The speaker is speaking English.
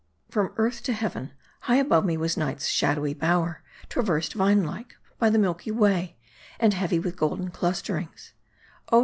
From earth to heaven ! High above me was Night's shadowy bower, traversed, vine like, by the Milky Way, and heavy with golden clusterings.